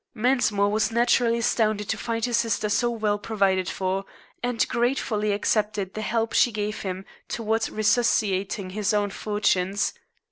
Mensmore was naturally astounded to find his sister so well provided for, and gratefully accepted the help she gave him towards resuscitating his own fortunes.